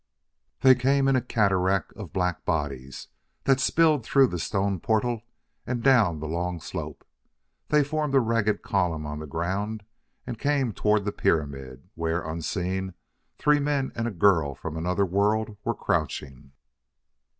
They came in a cataract of black bodies that spilled through that stone portal and down the long slope. They formed a ragged column on the ground and came on toward the pyramid, where, unseen, three men and a girl from another world were crouching.